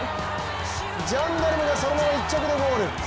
ジャンダルムがそのまま１着でゴール。